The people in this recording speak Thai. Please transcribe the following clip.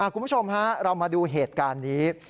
คุณผู้ชมฮะเรามาดูเหตุการณ์นี้